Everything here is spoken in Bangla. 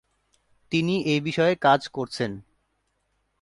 তিনি এই বিষয়ে কাজ করেছেন।